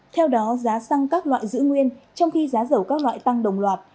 theo đó giá xăng các loại giữ nguyên trong khi giá dầu các loại tăng đồng loạt